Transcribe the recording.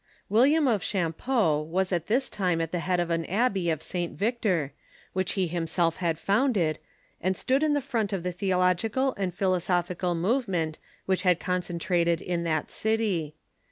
William of Champeaux was at this time at the head of the Abbey of St. Victor, which he himself had founded, and stood in'the front of the theological and pliilosophical move Wiiiiam of ^^^gj^^ which had concentrated in that city.